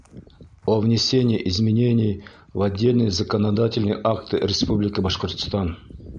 О внесении изменений в отдельные законодательные акты Республики Башкортостан